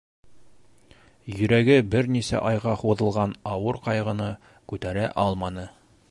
Йөрәге бер нисә айға һуҙылған ауыр ҡайғыны күтәрә алманы.